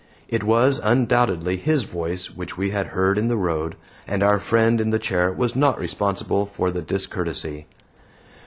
It was, undoubtedly, his voice which we had heard in the road, and our friend in the chair was not responsible for the discourtesy.